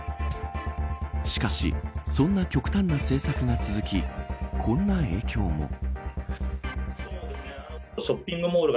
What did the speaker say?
しかし、そんな極端な政策が続きこんな影響も。